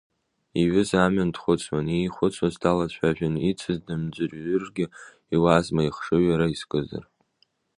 Иҩыза амҩан дхәыцуан, иихәыцуаз далацәажәон, ицыз дымӡырҩыргьы иуазма, ихшыҩ иара изкызар.